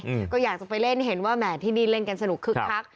อืมก็อยากจะไปเล่นเห็นว่าแหมที่นี่เล่นกันสนุกคึกคัก